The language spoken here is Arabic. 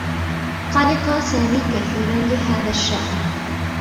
قلق سامي كثيرا لهذا الشّأن.